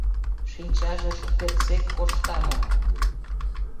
Шинчаже шукертсек коршта мо?